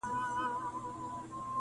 o پر زړه مي راځي، پر خوله مي نه راځي!